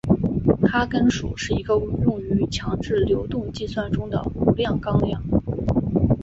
哈根数是一个用于强制流动计算中的无量纲量。